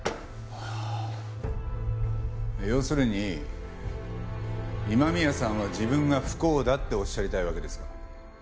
要するに今宮さんは自分が不幸だっておっしゃりたいわけですか？